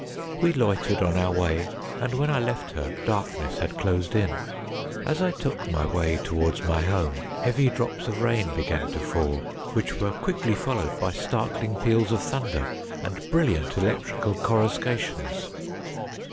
We loitered on our way, and when I left her darkness had closed in. As I took my way towards my home, heavy drops of rain began to fall, which were quickly followed by startling peals of thunder and brilliant electrical coruscations.